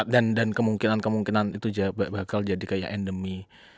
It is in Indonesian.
dan dan kemungkinan kemungkinan itu bakal jadi kayak endemi